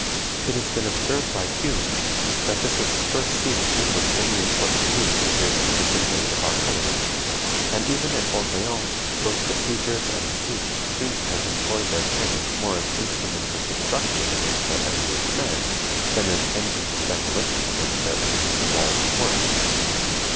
It has been observed by Hume, that this is the first siege in which any important use appears to have been made of artillery. And even at Orleans both besiegers and besieged seem to have employed their cannons more as instruments of destruction against their enemy's men, than as engines of demolition against their enemy's walls and works.